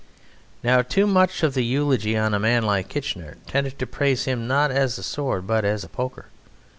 Now too much of the eulogy on a man like Kitchener tended to praise him not as a sword but as a poker.